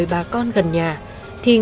khi lực lượng công an đến nhà làm việc